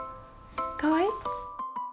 かわいい？